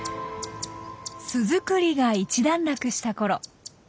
巣作りが一段落したころ。